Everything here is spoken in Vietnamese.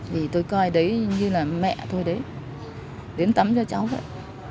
vì tôi coi đấy như là mẹ thôi đấy đến tắm cho cháu vậy